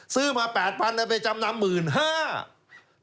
ซื้อมา๘๐๐๐บาทเอาไปจำนำ๑๕๐๐๐บาท